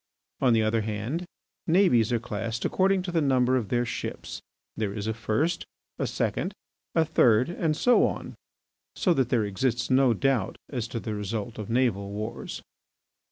On the other hand, navies are classed according to the number of their ships. There is a first, a second, a third, and so on. So that there exists no doubt as to the result of naval wars.